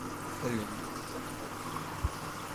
Allen-is d tiqehwiyin.